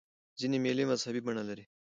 ځیني مېلې مذهبي بڼه لري.